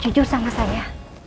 jujur sama saya